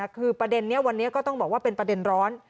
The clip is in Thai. คือประเด็นนี้วันนี้ก็ต้องบอกว่าเป็นประเด็นร้อน